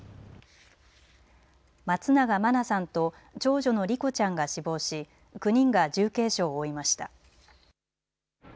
松永真菜さんと長女の莉子ちゃんが死亡し９人が重軽傷を負いました。